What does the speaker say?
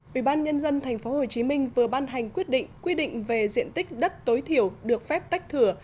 ủy ban nhân dân tp hcm vừa ban hành quyết định về diện tích đất tối thiểu được phép tách thửa